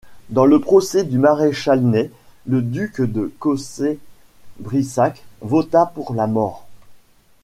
Dans le procès du maréchal Ney, le duc de Cossé-Brissac vota pour la mort.